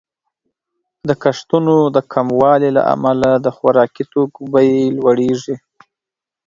د کښتونو د کموالي له امله د خوراکي توکو بیې لوړیږي.